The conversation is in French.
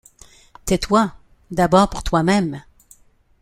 Tais-toi! D’abord pour toi-même !